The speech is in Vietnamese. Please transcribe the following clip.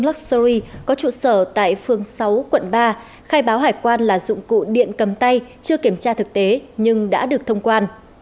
luxury có trụ sở tại phương sáu quận ba khai báo hải quan là dụng cụ điện cầm tay chưa kiểm tra thực tế nhưng đã được thông quan